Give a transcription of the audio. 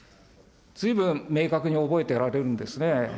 ずいぶん明確に覚えておられるんですね。